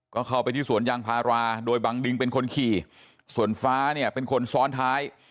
ก็เข้าไปที่สวนยางพาราโดยบังดิงเป็นคนขี่ส่วนฟ้าเนี่ยเป็นคนซ้อนท้าย